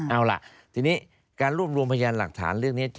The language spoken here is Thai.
เอาล่ะทีนี้การรวบรวมพยานหลักฐานเรื่องนี้